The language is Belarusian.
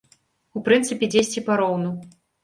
У прынцыпе, дзесьці пароўну.